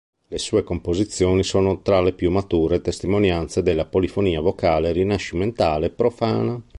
Le sue composizioni sono tra le più mature testimonianze della polifonia vocale rinascimentale profana.